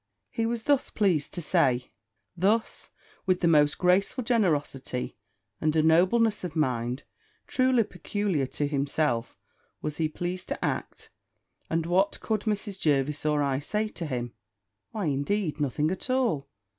He was thus pleased to say: thus, with the most graceful generosity, and a nobleness of mind truly peculiar to himself, was he pleased to act: and what could Mrs. Jervis or I say to him? Why, indeed, nothing at all!